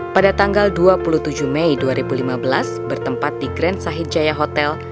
pada tanggal dua puluh tujuh mei dua ribu lima belas bertempat di grand sahidjaya hotel